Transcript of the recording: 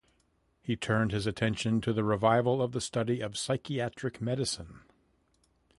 He turned his attention to the revival of the study of psychiatric medicine.